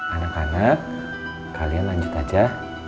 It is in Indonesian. anak anak kalian lanjut aja